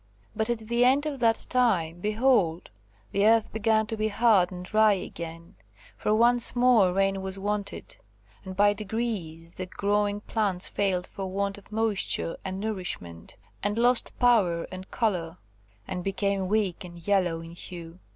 But at the end of that time, behold, the earth began to be hard and dry again, for once more rain was wanted; and by degrees the growing plants failed for want of moisture and nourishment, and lost power and colour, and became weak and yellow in hue.